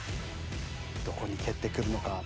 どこに蹴ってくるのか？